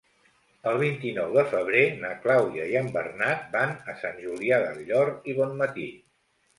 El vint-i-nou de febrer na Clàudia i en Bernat van a Sant Julià del Llor i Bonmatí.